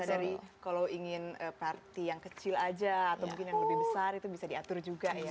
dari kalau ingin party yang kecil aja atau mungkin yang lebih besar itu bisa diatur juga ya